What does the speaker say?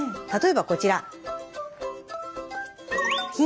例えばこちら。